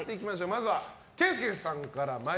まずは健介さんから。